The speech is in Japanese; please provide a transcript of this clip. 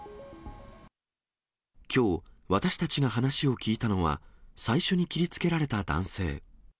きょう、私たちが話を聞いたのは、最初に切りつけられた男性。